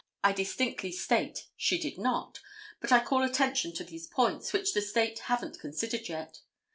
I distinctly state she did not, but I call attention to these points, which the State haven't considered yet.